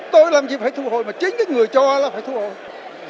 tôi làm gì phải thu hồi và chính cái người cho là phải thu hồi